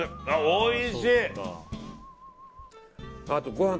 おいしい！